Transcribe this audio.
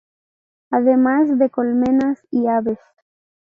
Además de colmenas y aves.